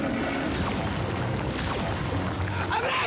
危ない！